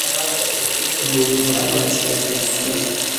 عمومي مالومات ښایي تاسو سره وي